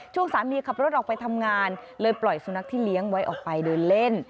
สามีขับรถออกไปทำงานเลยปล่อยสุนัขที่เลี้ยงไว้ออกไปเดินเล่น